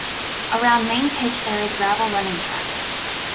Around main pitch there is gravel running track.